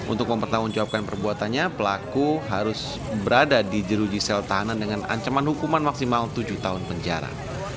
untuk mempertanggungjawabkan perbuatannya pelaku harus berada di jeruji sel tahanan dengan ancaman hukuman maksimal tujuh tahun penjara